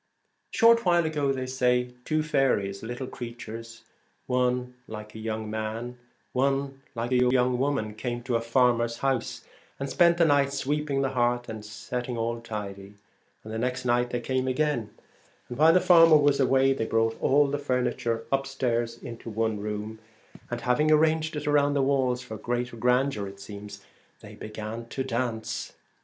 A short while ago, they say, two faeries, little creatures, one like a young man, one 130 like a young woman, came to a farmers The ,. i i Untiring house, and spent the night sweeping the Ones. hearth and setting all tidy. The next night they came again, and while the farmer was away, brought all the furniture up stairs into one room, and having arranged it round the walls, for the greater grandeur it seems, they began to dance.